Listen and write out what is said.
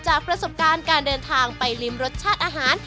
ประสบการณ์การเดินทางไปริมรสชาติอาหาร